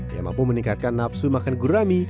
yang mampu meningkatkan nafsu makan gurami